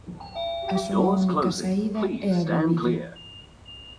A súa única saída é a bebida.